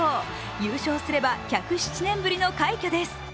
優勝すれば１０７年ぶりの快挙です。